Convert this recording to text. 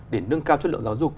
để nâng cao chất lượng giáo dục